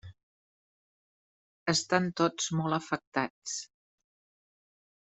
Estan tots molt afectats.